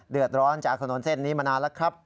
เดือดร้อนจากถนนเส้นนี้มานานแล้วครับ